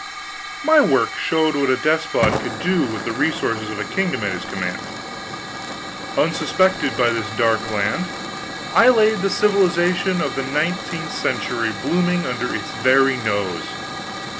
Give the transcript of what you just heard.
My works showed what a despot could do with the resources of a kingdom at his command. Unsuspected by this dark land, I had the civilization of the nineteenth century booming under its very nose!